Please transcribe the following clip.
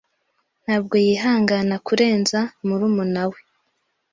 Ntabwo yihangana kurenza murumuna we.